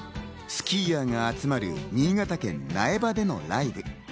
スキーヤーが集まる新潟県苗場でのライブ。